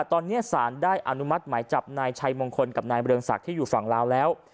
ตอนนี้สารได้อนุมัติหมายจับนายชัยมงคลกับนายเรืองศักดิ์ที่อยู่ฝั่งลาวแล้ว